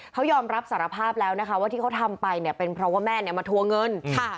เขายอมรับสารภาพแล้วนะคะว่าที่เขาทำไปเนี่ยเป็นเพราะว่าแม่เนี่ยมาทัวร์เงิน